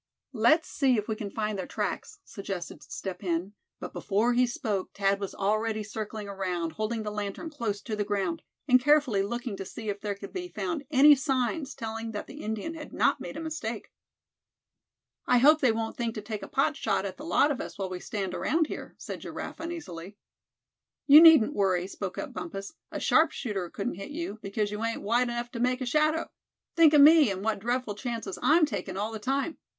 "Let's see if we can find their tracks," suggested Step Hen; but before he spoke Thad was already circling around, holding the lantern close to the ground, and carefully looking to see if there could be found any signs telling that the Indian had not made a mistake. "I hope they won't think to take a pot shot at the lot of us while we stand around here," said Giraffe, uneasily. "You needn't worry," spoke up Bumpus: "a sharpshooter couldn't hit you, because you ain't wide enough to make a shadow. Think of me, and what dreadful chances I'm taking all the time.